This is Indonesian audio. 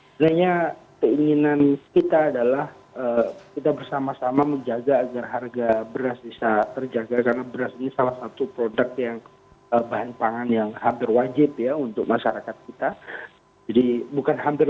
sebenarnya keinginan kita adalah kita bersama sama menjaga agar harga beras bisa terjaga karena beras ini salah satu produk yang bahan pangan yang hampir wajib ya untuk masyarakat kita